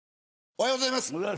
おはようございます。